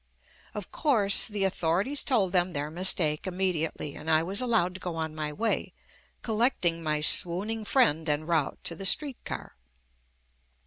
Of course, the authorities told them their mistake immediately, and I was allowed to go on my way, collecting my swooning friend en route to the street car.